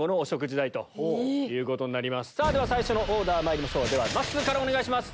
では最初のオーダーまいりましょうまっすーからお願いします。